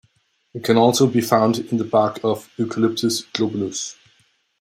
It can also be found in the bark of "Eucalyptus globulus".